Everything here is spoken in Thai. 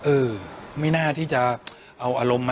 เออไม่น่าที่จะเอาอารมณ์มา